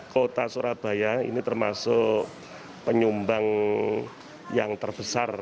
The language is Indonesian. kota surabaya ini termasuk penyumbang yang terbesar